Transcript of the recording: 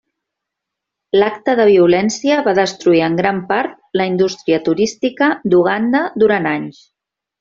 L'acte de violència va destruir en gran part la indústria turística d'Uganda durant anys.